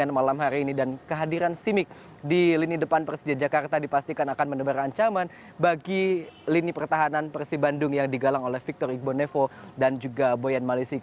malam hari ini dan kehadiran simic di lini depan persija jakarta dipastikan akan menebar ancaman bagi lini pertahanan persi bandung yang digalang oleh victor igbonevo dan juga boyan malisi